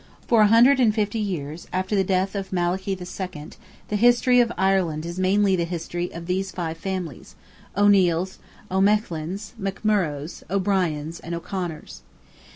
For a hundred and fifty years, after the death of Malachy II., the history of Ireland is mainly the history of these five families, O'Neils, O'Melaghlins, McMurroghs, O'Briens and O'Conors.